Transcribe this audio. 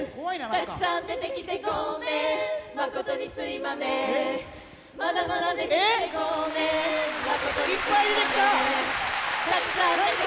「たくさん出てきてごめん」「まことにすいまめんまだまだ出てきてごめん」「まことにすいまめん」